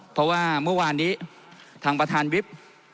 เพราะว่าเมื่อวานนี้ทางประธานวิบ